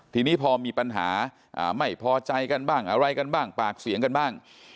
ทีนี้พอมีปัญหาไม่พอใจกันบ้างอะไรกันบ้างปากเสียงกันบ้าง